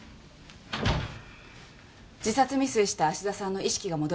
自殺未遂した芦田さんの意識が戻りました。